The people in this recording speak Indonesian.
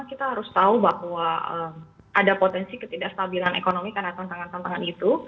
kita harus tahu bahwa ada potensi ketidakstabilan ekonomi karena tantangan tantangan itu